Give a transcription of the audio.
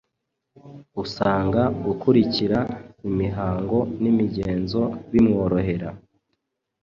Usanga gukurikira imihango n’imigenzo bimworohera.